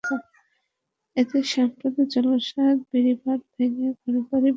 এতে সামুদ্রিক জলোচ্ছ্বাসে বেড়িবাঁধ ভেঙে ঘরবাড়ি বিলীনসহ রাখাইনদের জীবন-জীবিকা হুমকির মুখে পড়বে।